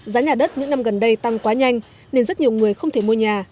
giá nhà đất những năm gần đây tăng quá nhanh nên rất nhiều người không thể mua nhà